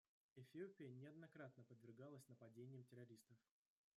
Эфиопия неоднократно подвергалась нападениям террористов.